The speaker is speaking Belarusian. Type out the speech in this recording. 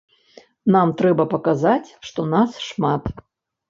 Нам трэба паказаць, што нас шмат.